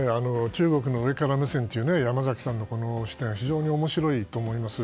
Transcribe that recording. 中国の上から目線という山崎さんの視点は非常に面白いと思います。